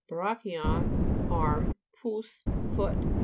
brachion, arm, pous, foot.